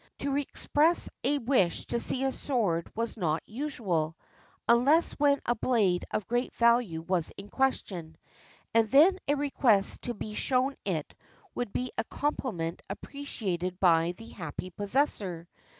... To express a wish to see a sword was not usual, unless when a blade of great value was in question; and then a request to be shown it would be a compliment appreciated by the happy possessor.